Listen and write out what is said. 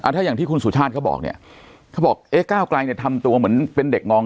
ถ้าอย่างที่คุณสุชาติเขาบอกเนี่ยเขาบอกเอ๊ะก้าวไกลเนี่ยทำตัวเหมือนเป็นเด็กงอง